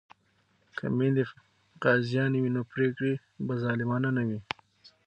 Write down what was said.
که میندې قاضیانې وي نو پریکړې به ظالمانه نه وي.